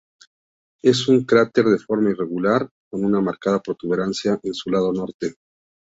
Es un cráter de forma irregular, con una marcada protuberancia en su lado norte.